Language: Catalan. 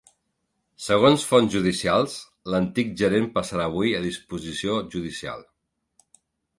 Segons fonts judicials, l’antic gerent passarà avui a disposició judicial.